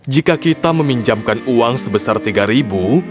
jika kita meminjamkan uang sebesar tiga ribu